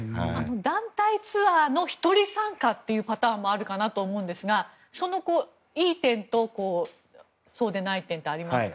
団体ツアーの１人参加というパターンもあるかと思いますがそのいい点とそうでない点ってありますか？